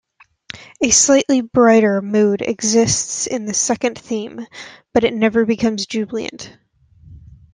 A slightly brighter mood exists in the second theme, but it never becomes jubilant.